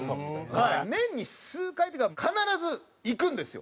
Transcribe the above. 年に数回というか必ず行くんですよ。